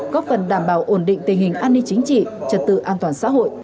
góp phần đảm bảo ổn định tình hình an ninh chính trị trật tự an toàn xã hội